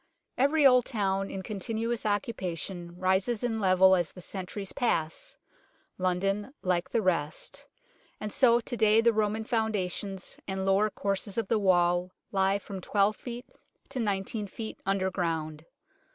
Every old town in continuous occupa tion rises in level as the centuries pass, London like the rest, and so to day the Roman founda tions and lower courses of the wall lie from 12 ft. to 19 ft. underground.